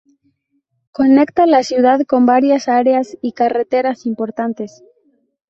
Conecta la ciudad con varias áreas y carreteras importantes.